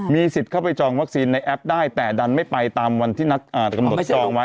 สิทธิ์เข้าไปจองวัคซีนในแอปได้แต่ดันไม่ไปตามวันที่นัดกำหนดจองไว้